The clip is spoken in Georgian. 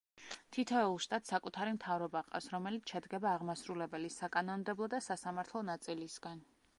თითოეულ შტატს საკუთარი მთავრობა ჰყავს, რომელიც შედგება აღმასრულებელი, საკანონმდებლო და სასამართლო ნაწილისგან.